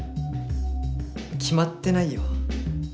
きまってないよ。